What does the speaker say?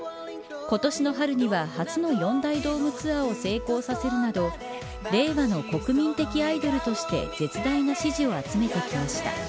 今年の春には、初の４大ドームツアーを成功させるなど令和の国民的アイドルとして絶大な支持を集めてきました。